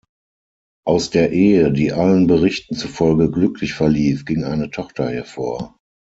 Aus der Ehe, die allen Berichten zufolge glücklich verlief, ging eine Tochter hervor.